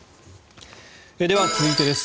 では、続いてです。